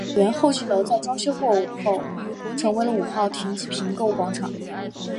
原候机楼在装修过后成为了五号停机坪购物广场。